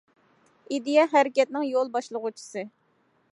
ئىدىيە ھەرىكەتنىڭ يول باشلىغۇچىسى.